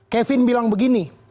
kevin bilang begini